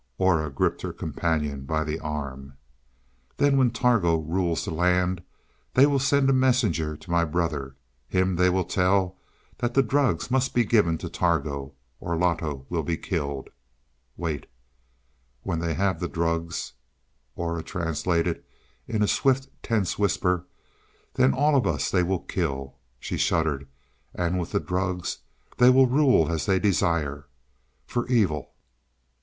Aura gripped her companion by the arm. "Then when Targo rules the land, they will send a messenger to my brother. Him they will tell that the drugs must be given to Targo, or Loto will be killed wait when they have the drugs," Aura translated in a swift, tense whisper, "then all of us they will kill." She shuddered. "And with the drugs they will rule as they desire for evil."